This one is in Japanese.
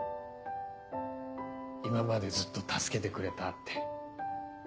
今までずっと助けてくれたって。